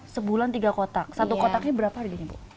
sebulan tiga kotak satu kotaknya berapa harganya bu